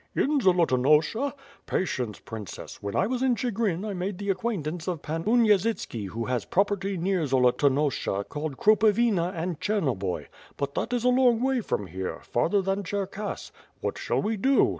"In Zolotonosha? Patience Princess; when I was in Ohi grin I made the acquaintance of Pan Unyezitski who has pro perty near Zolotonosha called Kropovina and Chernoboy; but that is a long way from here, farther then Cherkass. What shall we do?